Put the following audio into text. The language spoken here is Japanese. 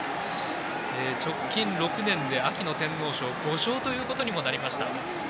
直近６年で秋の天皇賞５勝ということにもなりました。